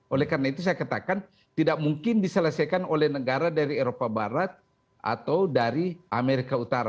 oleh karena itu saya katakan tidak mungkin diselesaikan oleh negara dari eropa barat atau dari amerika utara